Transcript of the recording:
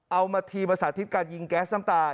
เอามาทีมาสาธิตการยิงแก๊สน้ำตาล